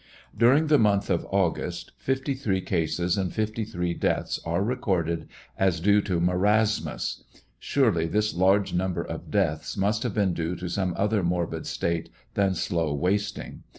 During the month of August fifty three cases and fifty three deaths are recorded as due to marasmus. Surely this large number of deaths must have been due to some other morbid state than slow wasting.